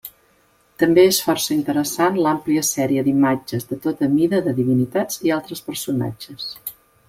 També és força interessant l'àmplia sèrie d'imatges de tota mida de divinitats i altres personatges.